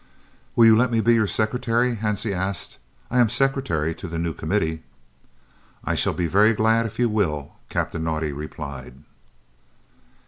"Will you let me be your secretary?" Hansie asked. "I am secretary to the new Committee." "I shall be very glad if you will," Captain Naudé replied.